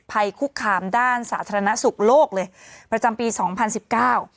ภัยคุกคามด้านสาธารณสุขโลกเลยประจำปีสองพันสิบเก้า